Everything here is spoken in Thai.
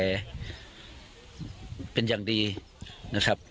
แต่เป็นอย่างดีนะครับ